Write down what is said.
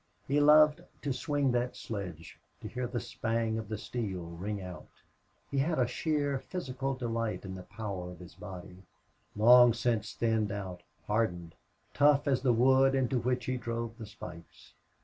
He loved to swing that sledge, to hear the spang of the steel ring out. He had a sheer physical delight in the power of his body, long since thinned out, hardened, tough as the wood into which he drove the spikes.